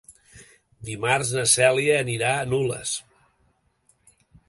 Dimarts na Cèlia anirà a Nulles.